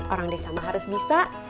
orang desa mah harus bisa